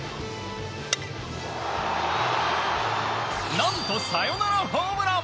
何と、サヨナラホームラン！